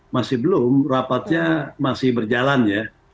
masih belum rapatnya masih berjalan ya